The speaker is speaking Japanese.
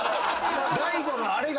大悟のあれが。